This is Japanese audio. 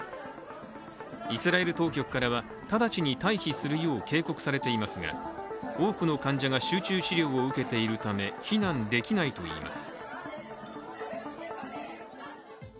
イスラエル当局からは、直ちに退避するよう警告されていますが、多くの患者が集中治療を受けているため避難できないといいます。